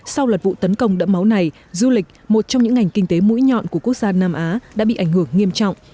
sau loạt vụ tấn công đẫm máu này du lịch một trong những ngành kinh tế mũi nhọn của quốc gia nam á đã bị ảnh hưởng nghiêm trọng